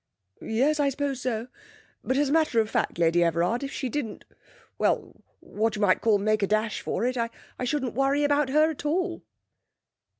'Yes, I suppose so. But as a matter of fact, Lady Everard, if she didn't well what you might call make a dash for it, I shouldn't worry about her at all.'